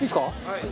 はい。